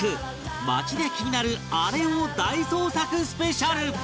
街で気になるアレを大捜索スペシャル！